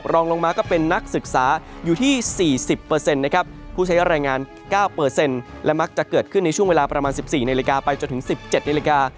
รองลงมาก็เป็นนักศึกษาอยู่ที่๔๐นะครับผู้ใช้รายงาน๙และมักจะเกิดขึ้นในช่วงเวลาประมาณ๑๔นาฬิกาไปจนถึง๑๗นาฬิกา